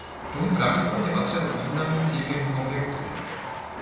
Dům pravděpodobně patřil významným církevním objektům.